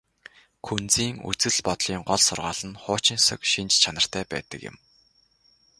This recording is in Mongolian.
Күнзийн үзэл бодлын гол сургаал нь хуучинсаг шинж чанартай байдаг юм.